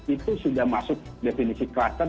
itu sudah masuk definisi kluster